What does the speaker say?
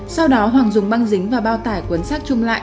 sau đó hoàng dùng băng dính và bao tải cuốn sắc trung lại